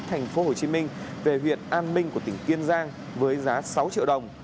thành phố hồ chí minh về huyện an minh của tỉnh kiên giang với giá sáu triệu đồng